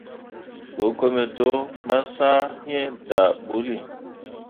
Go kome to, ma sah iŋ daa bǝulli.